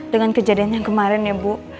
dengan kejadian yang kemarin ya bu